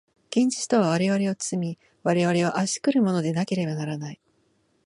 現実とは我々を包み、我々を圧し来るものでなければならない。